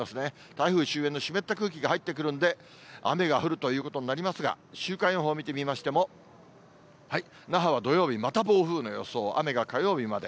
台風周辺の湿った空気が入ってくるんで、雨が降るということになりますが、週間予報を見てみましても、那覇は土曜日、また暴風雨の予想、雨が火曜日まで。